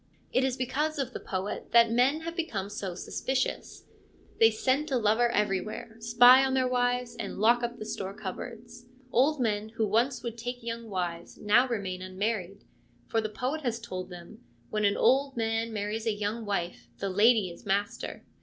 It is because of the poet that men have become so suspicious : they scent a lover everywhere, spy on their wives, and lock up the store cupboards. Old men who once would take young wives now remain unmarried, for the poet has told them, ' When an old man marries a young wife, the lady is master.'